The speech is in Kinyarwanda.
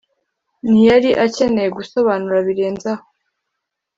ntiyari akeneye gusobanura birenze aho.